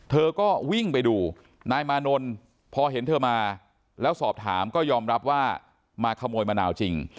เธอก็วิ่งไปดูนายมานนท์พอเห็นเธอมาแล้วสอบถามก็ยอมรับว่ามาขโมยมะนาวจริง